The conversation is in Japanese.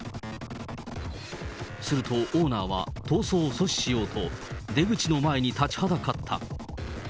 すると、オーナーは逃走を阻止しようと、出口の前に立ちはだかった。